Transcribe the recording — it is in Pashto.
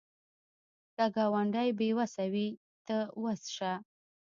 که ګاونډی بې وسه وي، ته وس شه